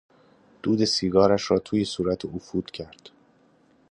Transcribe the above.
دود سیگارش را توی صورت او فوت کرد.